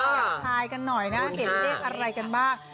อยากทายกันหน่อยนะเห็นเลขอะไรกันบ้าง